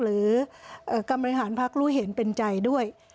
หรือกรรมบริหารพักรู้เห็นเป็นใจด้วย